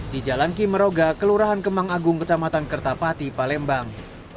di jalan kimeroga kelurahan kemang agung kecamatan kertapati palembang